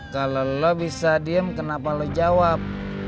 kalau lo bisa diem kenapa lo jawab